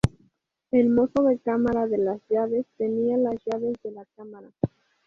El mozo de cámara de las llaves tenía las llaves de la cámara.